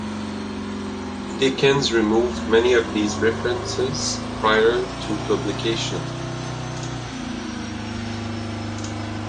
Dickens removed many of these references prior to publication.